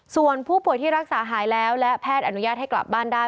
ส่วนผู้ป่วยที่รักษาหายแล้วและแพทย์อนุญาตให้กลับบ้านได้